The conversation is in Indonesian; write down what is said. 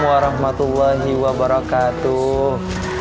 wa rahmatullahi wa barakatuh